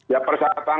ya persoalan kewajiban